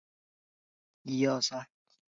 之前欠的钱还没还完